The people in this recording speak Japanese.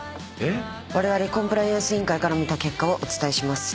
われわれコンプライアンス委員会から見た結果をお伝えします。